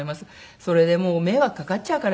それでもう迷惑かかっちゃうからみんなに。